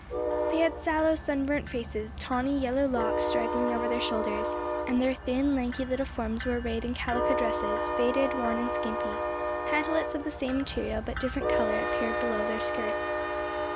They had sallow, sunburnt faces, tawny, yellow locks straggling over their shoulders, and their thin, lanky little forms were arrayed in calico dresses faded, worn and skimpy: pantalets of the same material but different color, appeared below their skirts.